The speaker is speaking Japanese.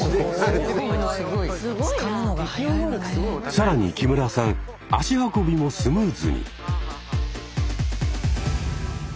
更に木村さん足運びもスムーズに。